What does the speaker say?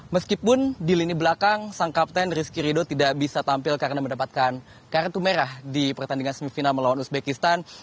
meskipun di lini belakang sang kapten rizky rido tidak bisa tampil karena mendapatkan kartu merah di pertandingan semifinal melawan uzbekistan